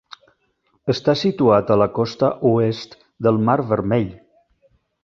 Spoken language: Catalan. Està situat a la costa oest del Mar vermell.